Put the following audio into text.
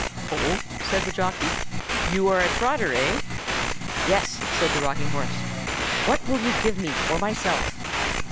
"Oh!" said the jockey. "You are the trotter, eh?" "Yes," said the rocking horse. "What will you give me for myself?"